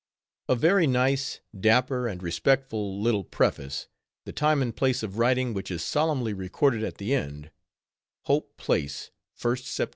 _ A very nice, dapper, and respectful little preface, the time and place of writing which is solemnly recorded at the end Hope _Place, 1st Sept.